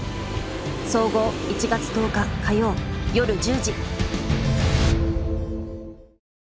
総合１月１０日火曜夜１０時。